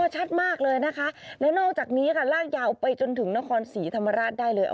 ชัดมากเลยนะคะและนอกจากนี้ค่ะลากยาวไปจนถึงนครศรีธรรมราชได้เลย